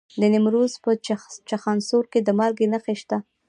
د نیمروز په چخانسور کې د مالګې نښې شته.